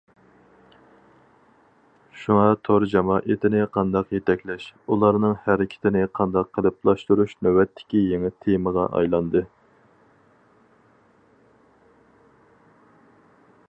شۇڭا تور جامائىتىنى قانداق يېتەكلەش، ئۇلارنىڭ ھەرىكىتىنى قانداق قېلىپلاشتۇرۇش نۆۋەتتىكى يېڭى تېمىغا ئايلاندى.